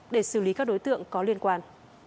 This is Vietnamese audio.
để xử lý các đối tượng có liên quan